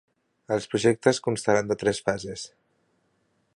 Els projectes constaran de tres fases.